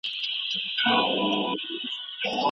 د «افغانستانی» اصطلاح رامنځته سوه، او ستمیانو ته یې تلقین